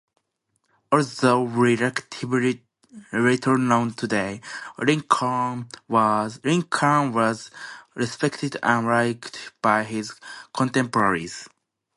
Although relatively little known today, Lincoln was respected and liked by his contemporaries.